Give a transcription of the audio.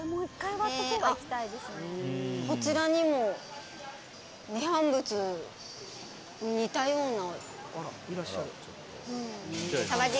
こちらにも涅槃仏に似たような。